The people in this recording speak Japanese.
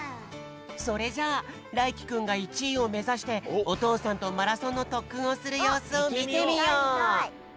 それじゃあらいきくんが１いをめざしておとうさんとマラソンのとっくんをするようすをみてみよう！